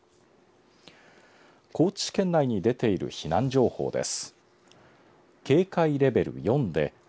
高知県内に出ている避難情報です。